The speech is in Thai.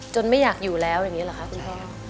ไม่อยากอยู่แล้วอย่างนี้หรอคะคุณพ่อ